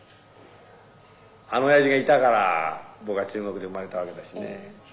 あの親父がいたから僕は中国で生まれたわけだしね。